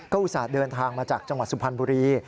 อุตส่าห์เดินทางมาจากจังหวัดสุพรรณบุรี